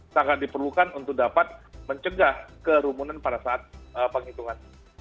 sangat diperlukan untuk dapat mencegah kerumunan pada saat penghitungan